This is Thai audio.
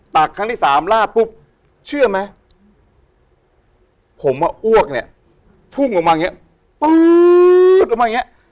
ตักครั้งที่สามลาดปุ๊บเชื่อไหมผมอ้วกเนี่ยพุ่งออกมาแบบนี้ปุ๊บออกมาแบบนี้